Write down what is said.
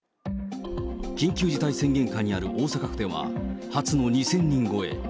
緊急事態宣言下にある大阪府では、初の２０００人超え。